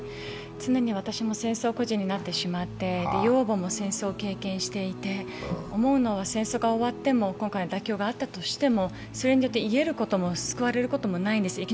私も戦争孤児になってしまって、養母も戦争を経験して思うのは、戦争が終わっても、今回、妥協があったとしても、戦争によって癒えることも救われることもないんですよ